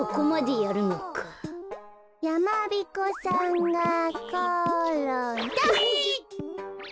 やまびこさんがころんだ！